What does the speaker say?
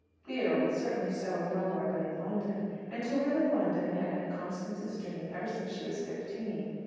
Theodore would certainly settle nowhere but in London, and to live in London had been Constance's dream ever since she was fifteen.